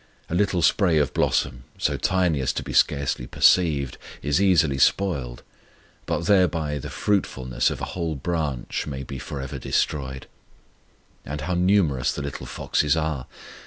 A little spray of blossom, so tiny as to be scarcely perceived, is easily spoiled, but thereby the fruitfulness of a whole branch may be for ever destroyed. And how numerous the little foxes are!